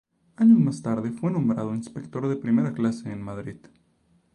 Años más tarde fue nombrado Inspector de primera clase en Madrid.